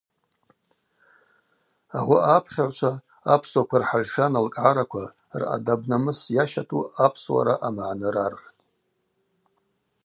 Ауаъа апхьагӏвчва апсуаква рхӏаль-шан алкӏгӏараква, ръадаб-намыс йащату Апсуара амагӏны рархӏвтӏ.